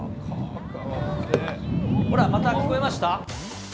ほら、また聞こえました？